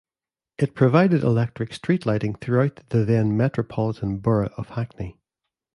It provided electric street lighting throughout the then Metropolitan Borough of Hackney.